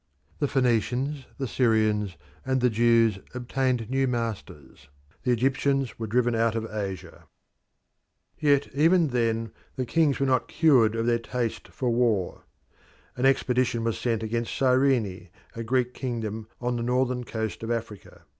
The Phoenicians, the Syrians, and the Jews obtained new masters; the Egyptians were driven out of Asia. Yet even then the kings were not cured of their taste for war. An expedition was sent against Cyrene, a Greek kingdom on the northern coast of Africa.